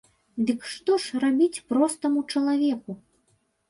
Дык што ж рабіць простаму чалавеку?